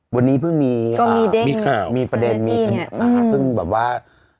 วันนี้เพิ่งมีมีข่าวมีประเด็นมีคณิตค่ะพึ่งแบบว่า